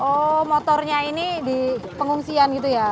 oh motornya ini di pengungsian gitu ya